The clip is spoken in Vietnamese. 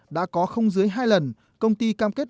đã có không dưới hai lần công ty cam kết